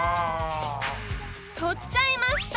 取っちゃいました